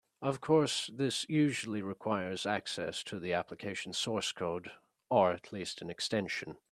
Of course, this usually requires access to the application source code (or at least an extension).